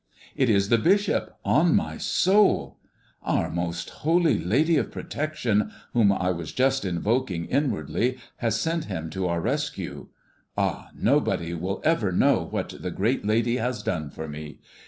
It is the bishop, on my soul! "Our Most Holy Lady of Protection, whom I was just invoking inwardly, has sent him to our rescue. Ah, nobody will ever know what the great lady has done for me!